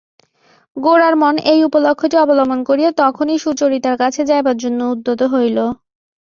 গোরার মন এই উপলক্ষটি অবলম্বন করিয়া তখনই সুচরিতার কাছে যাইবার জন্য উদ্যত হইল।